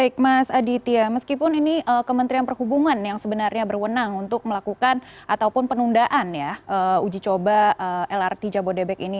baik mas aditya meskipun ini kementerian perhubungan yang sebenarnya berwenang untuk melakukan ataupun penundaan ya uji coba lrt jabodebek ini